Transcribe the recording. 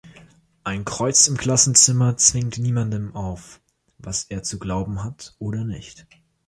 Ein Kreuz im Klassenzimmer zwingt niemandem auf, was er zu glauben hat oder nicht.